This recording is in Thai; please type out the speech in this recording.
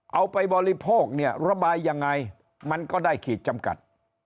เอาไปบริโภคเนี่ยระบายยังไงมันก็ได้ขีดจำกัด